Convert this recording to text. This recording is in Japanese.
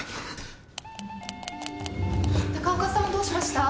高岡さんどうしました？